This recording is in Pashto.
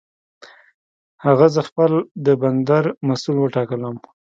هغه زه خپل د بندر مسؤل وټاکلم.